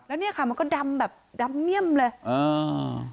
แล้วเนี้ยค่ะมันก็ดำแบบดำเมี่ยมเลยอ่า